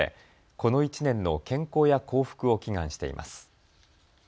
この１年の健康や幸福を祈願しています。